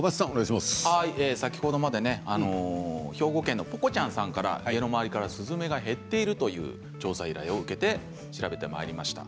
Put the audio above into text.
先ほどまで兵庫県の、ぽこちゃんさんから家の周りからスズメが減っているという調査を受けて調べてまいりました。